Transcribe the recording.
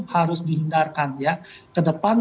harus dihindarkan ke depan